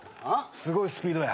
すごいスピードや。